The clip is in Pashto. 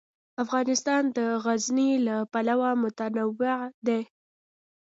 افغانستان د غزني له پلوه متنوع دی.